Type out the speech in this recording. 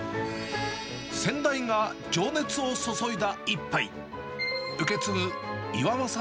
先代が情熱を注いだ一杯。